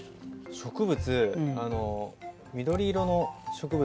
植物緑色の植物